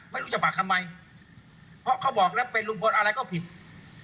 เพราะเขาบอกแล้วเป็นลุงพลอะไรก็ผิด